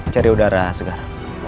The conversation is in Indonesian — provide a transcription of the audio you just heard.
cari udara segar